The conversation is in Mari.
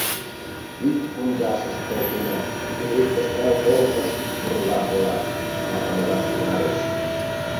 Вӱд пундашыш колтена! — рӱж кычкырал колтышт бурлак-влак, тарванылаш тӱҥальыч.